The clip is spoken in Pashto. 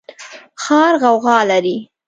ښار غوغا لري